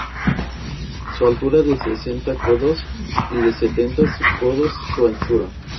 su altura de sesenta codos, y de sesenta codos su anchura;